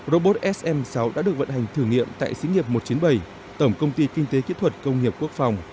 robot sm sáu đã được vận hành thử nghiệm tại sĩ nghiệp một trăm chín mươi bảy tổng công ty kinh tế kỹ thuật công nghiệp quốc phòng